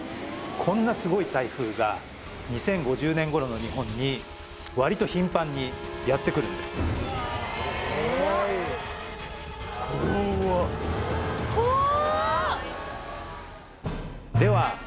こんなすごい台風が２０５０年頃の日本にわりと頻繁にやってくるんです